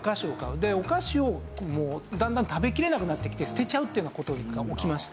でお菓子をもうだんだん食べきれなくなってきて捨てちゃうっていうような事が起きまして。